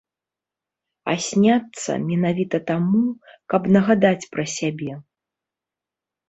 А сняцца менавіта таму, каб нагадаць пра сябе.